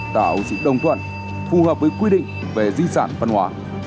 tạo sự đồng thuận phù hợp với quy định về di sản văn hóa